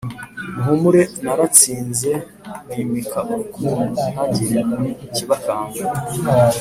Muhumure naratsinze nimika urukundo ntihagire ikibakanga